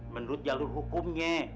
menurut jalur hukumnya